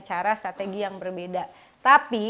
cara strategi yang berbeda tapi